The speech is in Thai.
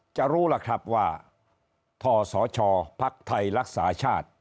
จะรู้ล่ะครับว่าท่อสชพรรคไทยรักษาชาติ